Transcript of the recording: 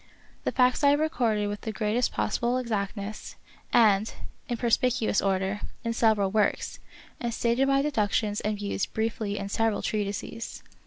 The facts I have recorded with the greatest possible exact ness, and in perspicuous order, in several works, and stated my deductions and views briefly in several treatises.